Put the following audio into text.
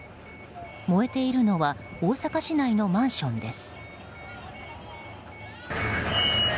燃えているのは大阪市内のマンションです。